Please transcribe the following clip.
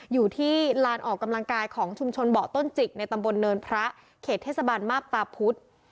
อยู่ที่ลานออกกำลังกายของชุมชนเบาะต้นจิกในตำบลเนินพระเขตเทศบาลมาบตาพุธ